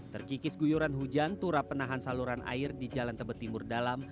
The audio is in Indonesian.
terkikis guyuran hujan turap penahan saluran air di jalan tebet timur dalam